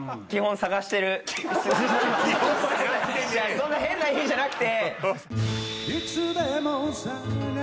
そんな変な意味じゃなくて。